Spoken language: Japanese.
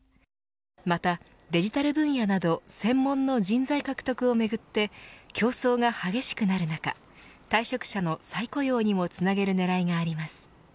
またデジタル分野など専門の人材獲得をめぐって競争が激しくなる中退職者の再雇用にもつなげる狙いがあります。